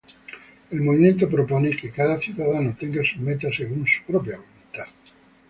El movimiento propone que cada ciudadano tenga sus metas según su propia voluntad.